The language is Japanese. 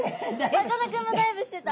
さかなクンもダイブしてた。